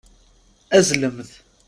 Azzlemt.